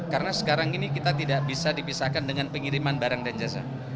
karena sekarang ini kita tidak bisa dipisahkan dengan pengiriman barang dan jasa